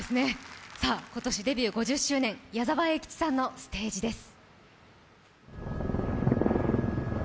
さあ、今年デビュー５０周年、矢沢永吉さんのステージです。